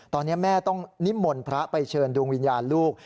ตอนนี้แม่ต้องนิมนต์พระไปเชิญดวงวิญญาณลูก